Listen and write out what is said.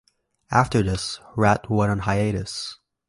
After this, Ratt went on hiatus.